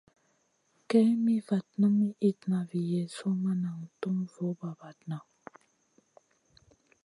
Kay mi vatna mi itna vi Yezu ma nan tum vun bra-bradna.